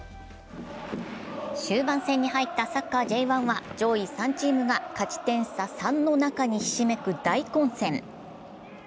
終盤戦に入ったサッカーＪ１は上位３チームが勝ち点差３の中にひしめく大混戦。